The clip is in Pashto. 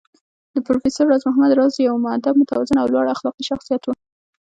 پروفېسر راز محمد راز يو مودب، متوازن او لوړ اخلاقي شخصيت و